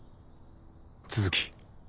都築。